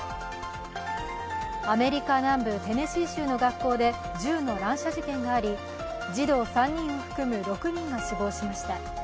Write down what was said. アメリカ南部テネシー州の学校で銃の乱射事件があり、児童３人を含む６人が死亡しました。